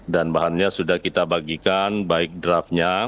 dan bahannya sudah kita bagikan baik draftnya